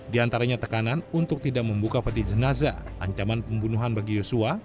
di antaranya tekanan untuk tidak membuka peti jenazah ancaman pembunuhan bagi yosua